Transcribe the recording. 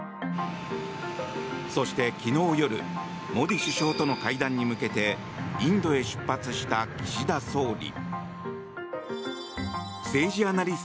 そして、昨日夜モディ首相との会談に向けてインドへ出発した岸田総理。